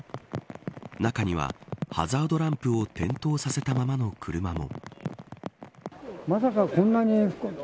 中には、ハザードランプを点灯させたままの車も。